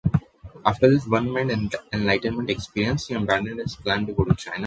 After this "One Mind" enlightenment experience, he abandoned his plan to go to China.